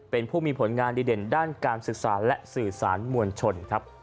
เป็นผู้มีผลงานดีเด่นด้านการศึกษาและสื่อสารมวลชนครับ